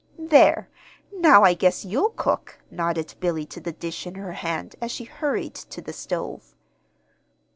"There! now I guess you'll cook," nodded Billy to the dish in her hand as she hurried to the stove.